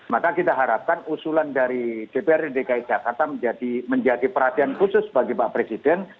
maka kita harapkan usulan dari dprd dki jakarta menjadi perhatian khusus bagi pak presiden